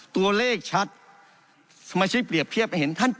ตัวเลขชัดสมาชิกเปรียบเพียบเห็นท่านครับ